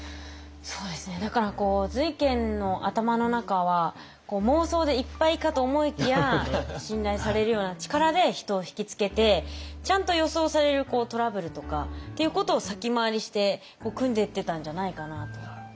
そうですねだから瑞賢の頭の中は妄想でいっぱいかと思いきや信頼されるような力で人をひきつけてちゃんと予想されるトラブルとかっていうことを先回りしてくんでってたんじゃないかなと。